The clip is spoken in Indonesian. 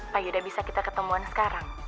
pak yuda bisa kita ketemuan sekarang